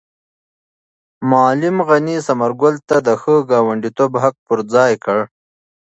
معلم غني ثمر ګل ته د ښه ګاونډیتوب حق په ځای کړ.